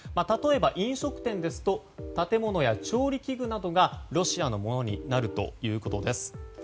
例えば、飲食店ですと建物や調理器具などがロシアのものになるということです。